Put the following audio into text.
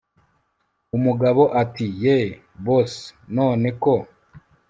umugabo ati yeeeh boss none ko